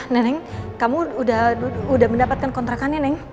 neneng kamu udah mendapatkan kontrakannya neng